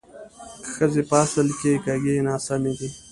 ښځې په اصل کې کږې ناسمې دي